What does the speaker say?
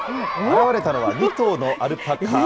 現れたのは２頭のアルパカ。